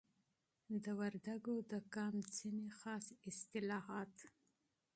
د وردګو د قوم ځینی خاص اصتلاحات